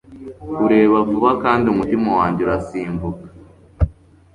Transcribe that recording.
kureba vuba, kandi umutima wanjye urasimbuka